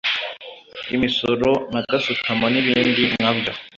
imisoro na gasutamo n’ibindi nkabyo